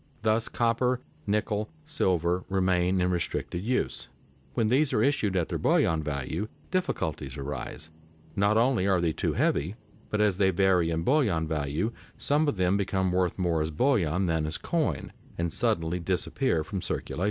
Thus copper, nickel, silver remain in restricted use. When these are issued at their bullion value, difficulties arise; not only are they too heavy, but as they vary in bullion value, some of them become worth more as bullion than as coin, and suddenly disappear from circulation.